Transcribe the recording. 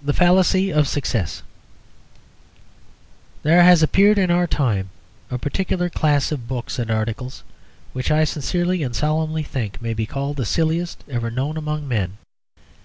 THE FALLACY OF SUCCESS There has appeared in our time a particular class of books and articles which I sincerely and solemnly think may be called the silliest ever known among men.